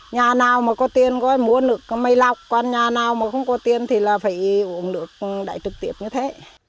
nhà nào mà có tiền có mua được mây lọc còn nhà nào mà không có tiền thì là phải uống được đại trực tiếp như thế